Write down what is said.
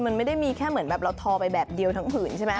มันไม่ได้มีแค่เหมือนแบบเราทอไปแบบเดียวทั้งผื่นใช่ไหม